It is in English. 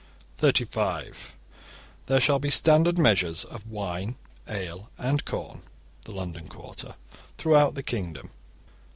(35) There shall be standard measures of wine, ale, and corn (the London quarter), throughout the kingdom.